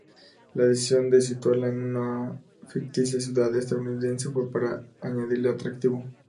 La decisión de situarla en una ficticia ciudad estadounidense fue para añadirle atractivo.